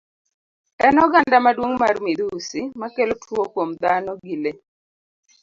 En oganda maduong' mar midhusi makelo tuo kuom dhano gi lee.